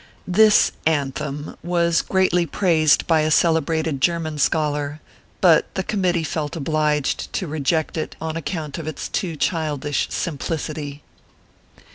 ORPHEUS 0. KERR PAPERS. 59 This " anthem " was greatly praised by a celebrated German scholar ; but the committee felt obliged to reject it on account of its too childish, simplicity.